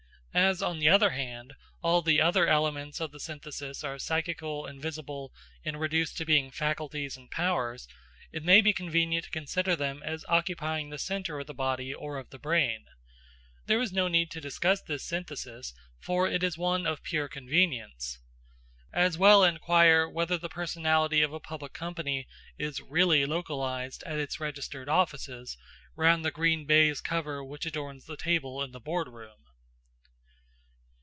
As, on the other hand, all the other elements of the synthesis are psychical, invisible, and reduced to being faculties and powers, it may be convenient to consider them as occupying the centre of the body or of the brain. There is no need to discuss this synthesis, for it is one of pure convenience. As well inquire whether the personality of a public company is really localised at its registered offices, round the green baize cover which adorns the table in the boardroom.